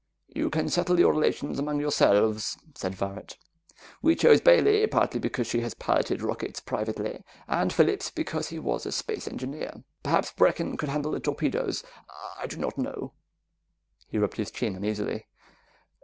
"You can settle your relations among yourselves," said Varret. "We chose Bailey partly because she has piloted rockets privately, and Phillips because he was a space engineer. Perhaps Brecken could handle the torpedoes I do not know." He rubbed his chin uneasily.